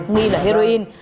nghi là heroin